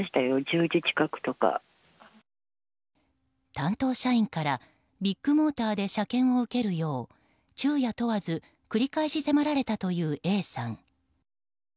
担当社員からビッグモーターで車検を受けるよう、昼夜問わず繰り返し迫られたというＡさん。